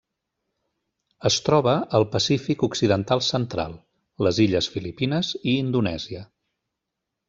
Es troba al Pacífic occidental central: les illes Filipines i Indonèsia.